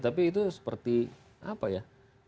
tapi itu seperti apa ya